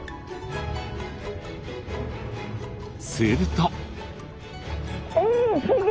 すると。